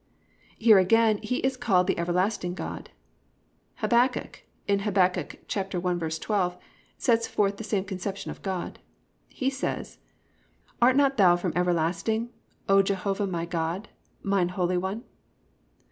"+ Here again He is called "The Everlasting God." Habakkuk in Hab. 1:12 sets forth the same conception of God. He says, +"Art not thou from everlasting, O Jehovah my God, mine holy one?"